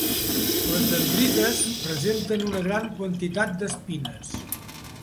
Les dendrites presenten una gran quantitat d'espines.